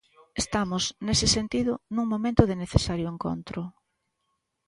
Estamos, nese sentido, nun momento de necesario encontro.